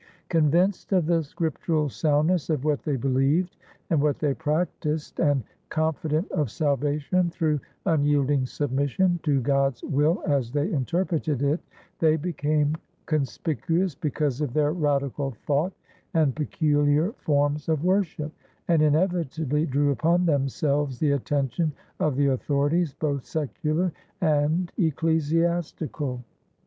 Convinced of the scriptural soundness of what they believed and what they practised, and confident of salvation through unyielding submission to God's will as they interpreted it, they became conspicuous because of their radical thought and peculiar forms of worship, and inevitably drew upon themselves the attention of the authorities, both secular and ecclesiastical.